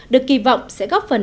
được kỳ vọng sẽ góp phần